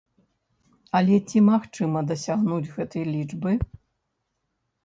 Але ці магчыма дасягнуць гэтай лічбы?